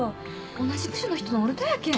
同じ部署の人のおるとやけん。